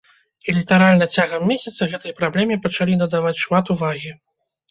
І літаральна цягам месяца гэтай праблеме пачалі надаваць шмат увагі.